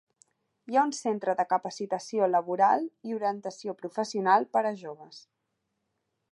Hi ha un centre de capacitació laboral i orientació professional per a joves.